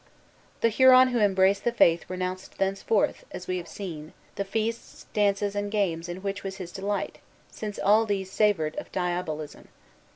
The Huron who embraced the Faith renounced thenceforth, as we have seen, the feasts, dances, and games in which was his delight, since all these savored of diabolism.